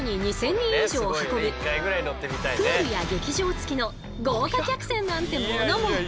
プールや劇場つきの豪華客船なんてものも。